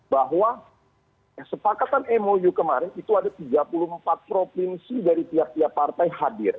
bahwa kesepakatan mou kemarin itu ada tiga puluh empat provinsi dari tiap tiap partai hadir